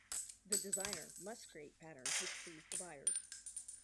The designer must create patterns which please the buyers.